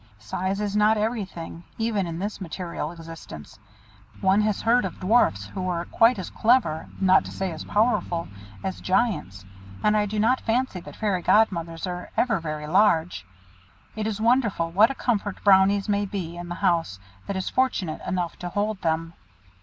Size is not everything, even in this material existence. One has heard of dwarfs who were quite as clever (not to say as powerful) as giants, and I do not fancy that Fairy Godmothers are ever very large. It is wonderful what a comfort Brownies may be in the house that is fortunate enough to hold them!